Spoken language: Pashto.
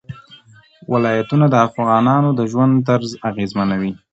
ولایتونه د افغانانو د ژوند طرز اغېزمنوي.